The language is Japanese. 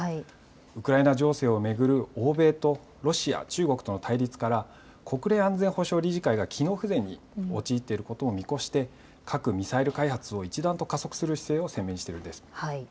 ウクライナ情勢を巡る欧米とロシア、中国との対立から国連安全保障理事会が機能不全に陥っていることも見越して核・ミサイル開発を一段と加速する姿勢を鮮明にしています。